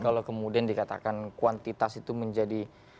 kalau kemudian dikatakan kuantitas itu menjadi